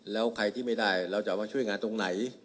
แล้วใครที่ไม่ได้เราจะเอามาช่วยงานตรงไหน